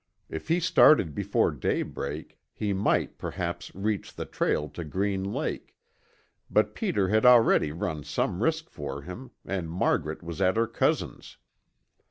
If he started before daybreak, he might perhaps reach the trail to Green Lake, but Peter had already run some risk for him and Margaret was at her cousin's.